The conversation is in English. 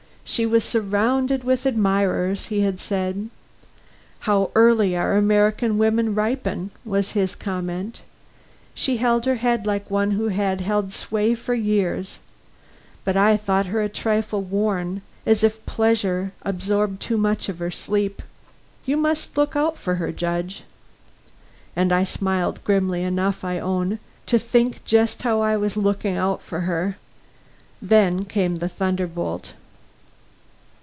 "She was surrounded with admirers," he had said. "How early our American women ripen!" was his comment. "She held her head like one who has held sway for years; but I thought her a trifle worn; as if pleasure absorbed too much of her sleep. You must look out for her, Judge." And I smiled grimly enough, I own, to think just how I was looking out for her. Then came the thunderbolt.